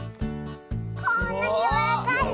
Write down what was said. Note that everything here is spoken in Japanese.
こんなにやわらかいよ。